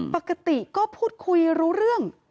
ปกติก็พูดคุยรู้เรื่อง